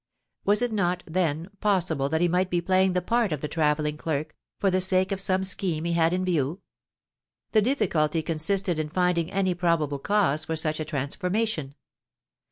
Was it not, then, possible that he might be playing the part of the travelling clerk, for the sake of some scheme he had in view? The difficulty consisted in finding any probable cause for such a transformation.